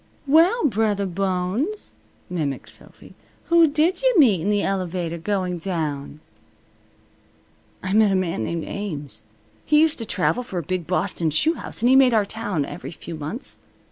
"Well, Brothah Bones," mimicked Sophy, "who did you meet in the elevator going down?" "I met a man named Ames. He used to travel for a big Boston shoe house, and he made our town every few months.